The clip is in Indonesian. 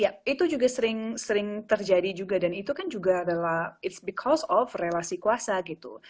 ya itu juga sering sering terjadi juga dan itu kan juga adalah ⁇ its ⁇ because of relasi kuasa gitu